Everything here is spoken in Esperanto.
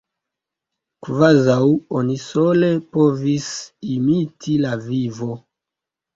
Kvazaŭ oni sole povis imiti la vivo!